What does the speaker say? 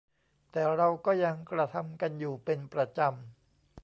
แต่เราก็ยังกระทำกันอยู่เป็นประจำ